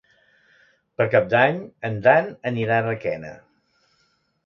Per Cap d'Any en Dan anirà a Requena.